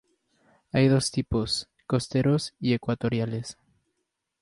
Hay dos tipos, costeros y ecuatoriales.